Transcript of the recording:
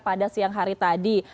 pada siang hari tadi